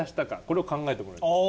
これを考えてもらいます。